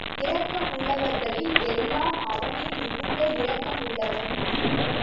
இரக்கமுள்ளவர்களில் எல்லாம் அவனே மிகுந்த இரக்கமுள்ளவன்.